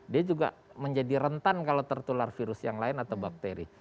dia juga menjadi rentan kalau tertular virus yang lain atau bakteri